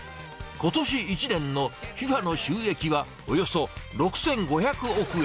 ことし一年のＦＩＦＡの収益はおよそ６５００億円。